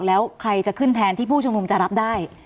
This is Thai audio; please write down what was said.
แล้วใครจะขึ้นแทนที่ผู้ชุมนุมจะรับได้